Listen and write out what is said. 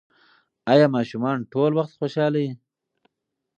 ایا ماشومان ټول وخت خوشحاله وي؟